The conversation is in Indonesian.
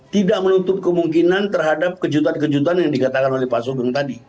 tidak menutup kemungkinan terhadap kejutan kejutan yang dikatakan oleh pak sugeng tadi